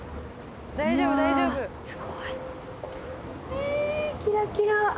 えキラキラ。